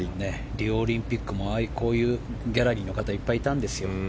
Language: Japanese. リオオリンピックもこういうギャラリーの方がいっぱいいたんですよ。